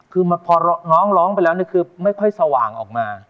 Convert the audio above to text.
คือพอน้องร้องไปแล้วคือไม่ค่อยสว่างออกมา